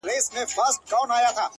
لكه گلاب چي سمال ووهي ويده سمه زه-